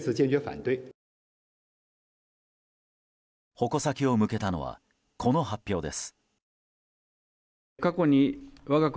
矛先を向けたのはこの発表です。